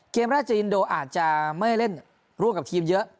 เกมราชินโดอาจจะไม่เล่นร่วมกับทีมเยอะ